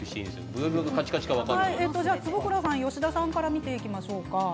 坪倉さん、吉田さんから見ていきましょうか。